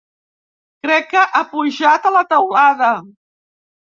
Crec que ha pujat a la teulada.